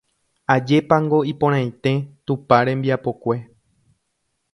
Ajépango iporãite Tupã rembiapokue